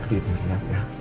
sabar di dunia ya